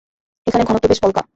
এখানে ঘনত্ব বেশ পলকা।